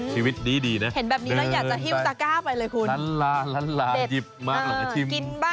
เจอกันกันอีกที